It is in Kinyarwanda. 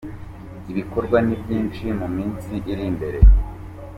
Ibikorwa ni byinshi mu minsi iri imbere.